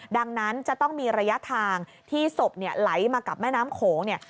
ดังนั้นจะต้องมีระยะทางที่ศพไหลมากับแม่น้ำโขงเนี่ย